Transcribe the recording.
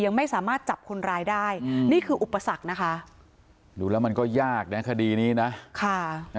ยังไม่สามารถจับคนร้ายได้นี่คืออุปสรรคนะคะดูแล้วมันก็ยากนะคดีนี้นะค่ะ